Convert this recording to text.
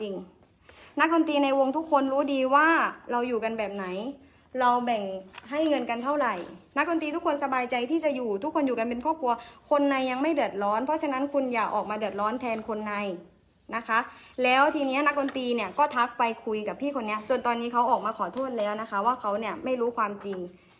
นักดนตรีในวงทุกคนรู้ดีว่าเราอยู่กันแบบไหนเราแบ่งให้เงินกันเท่าไหร่นักดนตรีทุกคนสบายใจที่จะอยู่ทุกคนอยู่กันเป็นครอบครัวคนในยังไม่เดือดร้อนเพราะฉะนั้นคุณอย่าออกมาเดือดร้อนแทนคนในนะคะแล้วทีนี้นักดนตรีเนี่ยก็ทักไปคุยกับพี่คนนี้จนตอนนี้เขาออกมาขอโทษแล้วนะคะว่าเขาเนี่ยไม่รู้ความจริง